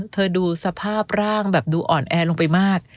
ดูสภาพร่างแบบดูอ่อนแอลงไปมาก